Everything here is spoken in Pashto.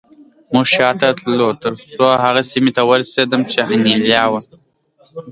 موږ شاته تلو ترڅو هغې سیمې ته ورسېدم چې انیلا وه